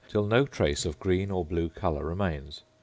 till no trace of green or blue colour remains.